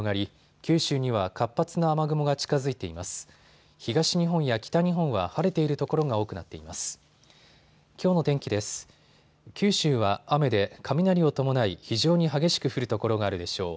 九州は雨で雷を伴い非常に激しく降る所があるでしょう。